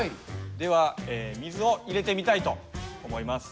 では水を入れてみたいと思います。